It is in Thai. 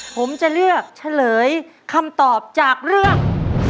ผมจะเลือกเฉลยคำตอบจากเรื่อง